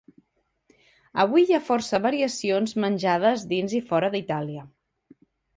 Avui hi ha força variacions menjades dins i fora d'Itàlia.